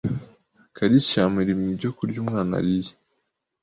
calcium iri mu byo kurya umwana ariye.